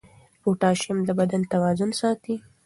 پوټاشیم د بدن توازن ساتي.